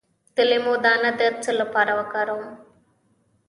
د لیمو دانه د څه لپاره وکاروم؟